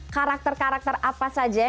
karakter karakter apa saja